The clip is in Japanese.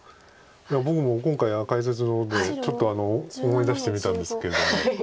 いや僕も今回解説を受けてちょっと思い出してみたんですけれども。